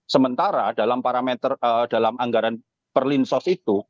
sementara dalam parameter dalam anggaran perlinsos itu